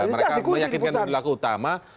mereka meyakinkan pelaku utama